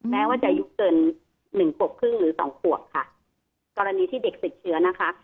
แม้ว่าจะอายุเกินหนึ่งขวบครึ่งหรือสองขวบค่ะกรณีที่เด็กติดเชื้อนะคะ